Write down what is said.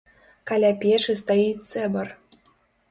Каля печы стаіць цэбар.